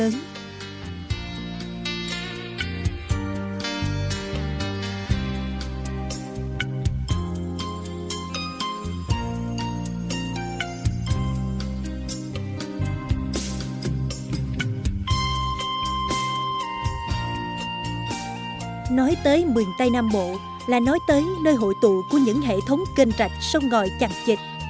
nói tới miền tây nam bộ là nói tới nơi hội tụ của những hệ thống kênh trạch sông ngòi chặn chịch